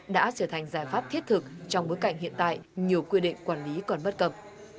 đã trở thành giải pháp thiết thực trong bối cảnh hiện tại nhiều quy định quản lý còn bất cập